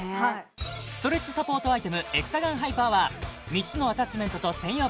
ストレッチサポートアイテムエクサガンハイパーは３つのアタッチメントと専用